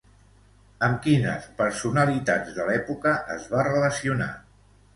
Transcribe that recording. Amb quines personalitats de l'època es va relacionar?